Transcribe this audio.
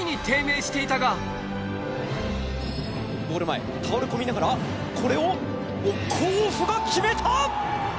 ゴール前、倒れ込みながら、これを、甲府が決めた。